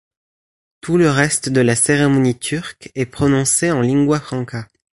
Tout le reste de la cérémonie turque est prononcée en lingua franca.